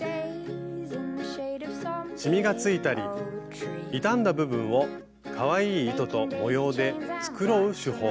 しみがついたり傷んだ部分をかわいい糸と模様で繕う手法。